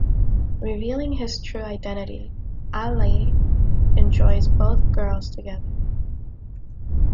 Revealing his true identity Ali enjoys both girls together.